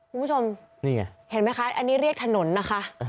คุณผู้ชมนี่ไงเห็นไหมคะอันนี้เรียกถนนนะคะ